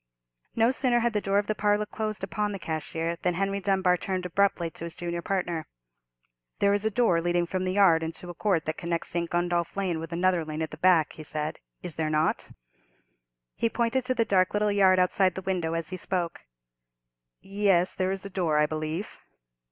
No sooner had the door of the parlour closed upon the cashier than Henry Dunbar turned abruptly to his junior partner. "There is a door leading from the yard into a court that connects St. Gundolph Lane with another lane at the back," he said, "is there not?" He pointed to the dark little yard outside the window as he spoke. "Yes, there is a door, I believe."